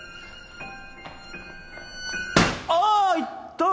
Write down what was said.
あいった！